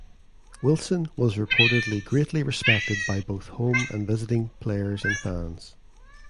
Wilson was reportedly greatly respected by both home and visiting players and fans.